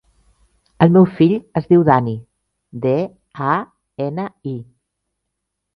El meu fill es diu Dani: de, a, ena, i.